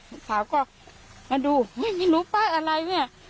ลูกสาวก็มาดูไม่รู้ป้ายอะไรเนี่ย